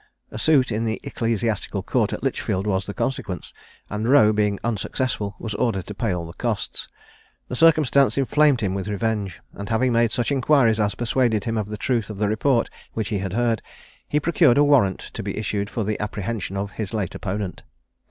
A suit in the Ecclesiastical Court at Lichfield was the consequence; and Roe being unsuccessful, was ordered to pay all the costs. This circumstance inflamed him with revenge; and having made such inquiries as persuaded him of the truth of the report which he had heard, he procured a warrant to be issued for the apprehension of his late opponent.